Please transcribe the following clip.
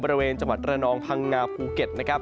บริเวณจังหวัดระนองพังงาภูเก็ตนะครับ